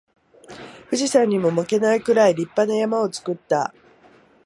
富士山にも負けないくらい立派な山を作った